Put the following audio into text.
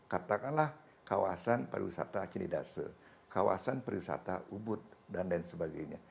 katakanlah kawasan pariwisata akinidase kawasan pariwisata ubud dan lain sebagainya